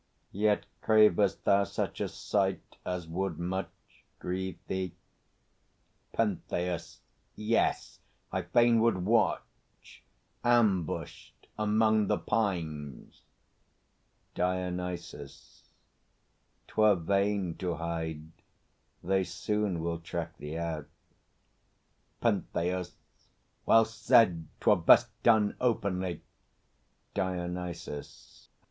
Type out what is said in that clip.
Yet cravest thou such A sight as would much grieve thee? PENTHEUS. Yes; I fain Would watch, ambushed among the pines. DIONYSUS. 'Twere vain To hide. They soon will track thee out. PENTHEUS. Well said! 'Twere best done openly. DIONYSUS.